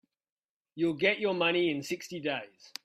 You'll get your money in sixty days.